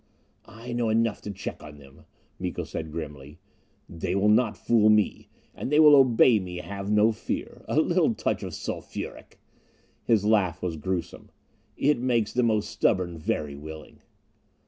"I know enough to check on them," Miko said grimly. "They will not fool me. And they will obey me, have no fear. A little touch of sulphuric " His laugh was gruesome. "It makes the most stubborn very willing."